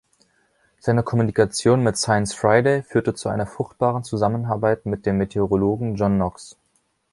Seine Kommunikation mit „Science Friday“ führte zu einer fruchtbaren Zusammenarbeit mit dem Meteorologen John Knox.